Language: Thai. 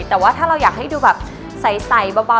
แต่ว่าถ้าเราอยากให้ดูแบบใสเบา